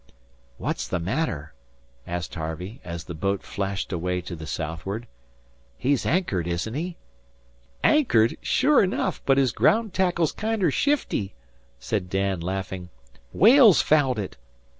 "What's the matter?" said Harvey, as the boat flashed away to the southward. "He's anchored, isn't he?" "Anchored, sure enough, but his graound tackle's kinder shifty," said Dan, laughing. "Whale's fouled it.